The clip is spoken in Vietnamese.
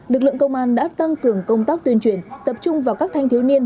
lực lượng công an đã tăng cường công tác tuyên truyền tập trung vào các thanh thiếu niên